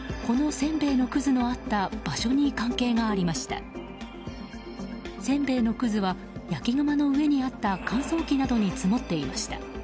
せんべいのくずは焼き窯の上にあった乾燥機などに積もっていました。